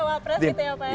baca wapres gitu ya pak ya